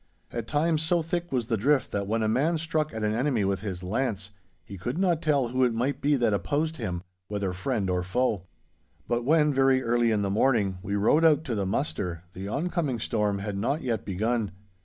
At times so thick was the drift, that when a man struck at an enemy with his lance, he could not tell who it might be that opposed him, whether friend or foe. But when, very early in the morning, we rode out to the muster, the oncoming storm had not yet begun.